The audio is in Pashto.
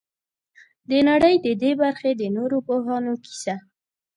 د نړۍ د دې برخې د نورو پوهانو کیسه.